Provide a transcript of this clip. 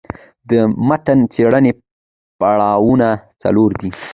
د متن څېړني پړاوونه څلور دي.